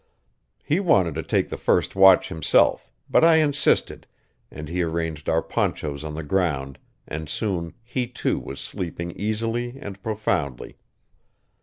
He wanted to take the first watch himself, but I insisted, and he arranged our ponchos on the ground, and soon he too was sleeping easily and profoundly.